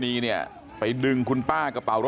สวัสดีครับคุณผู้ชาย